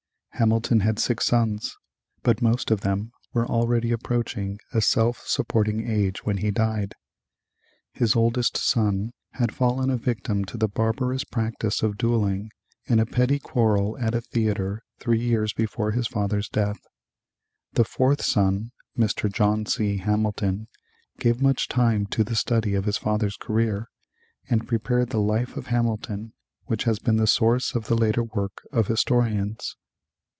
Hamilton had six sons, but most of them were already approaching a self supporting age when he died. His oldest son had fallen a victim to the barbarous practice of dueling in a petty quarrel at a theatre three years before the father's death. The fourth son, Mr. John C. Hamilton, gave much time to the study of his father's career, and prepared the Life of Hamilton which has been the source of the later work of historians.